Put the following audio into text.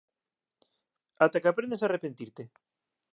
Ata que aprendas a arrepentirte.